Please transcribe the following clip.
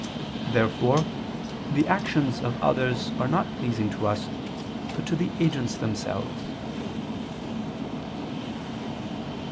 Therefore the actions of others are not pleasing to us, but to the agents themselves.